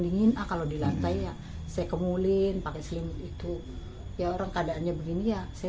dingin ah kalau di lantai ya saya kemulin pakai selimut itu ya orang keadaannya begini ya saya